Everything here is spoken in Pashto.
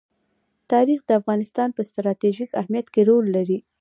تاریخ د افغانستان په ستراتیژیک اهمیت کې رول لري.